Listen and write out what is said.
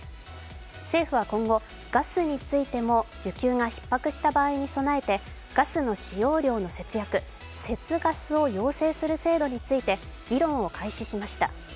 政府は今後、ガスについても需給がひっ迫した場合に備えてガスの使用量の節約、節ガスを要請する制度について議論を開始しました。